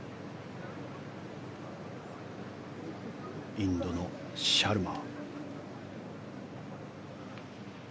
インドのシャルマ。